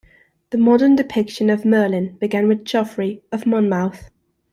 The modern depiction of Merlin began with Geoffrey of Monmouth.